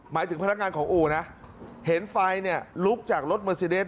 ถึงพนักงานของอู่นะเห็นไฟเนี่ยลุกจากรถเมอร์ซีเดส